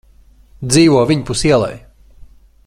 Dzīvo viņpus ielai.